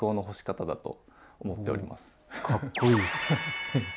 かっこいい！